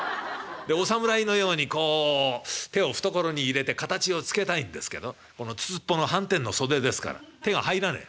でお侍のようにこう手を懐に入れて形をつけたいんですけどこのつつっぽのはんてんの袖ですから手が入らねえ。